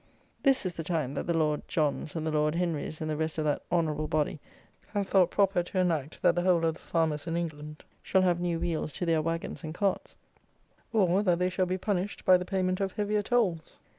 This is the time that the Lord Johns and the Lord Henries and the rest of that Honourable body have thought proper to enact that the whole of the farmers in England shall have new wheels to their wagons and carts, or, that they shall be punished by the payment of heavier tolls!